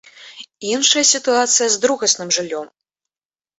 Іншая сітуацыя з другасным жыллём.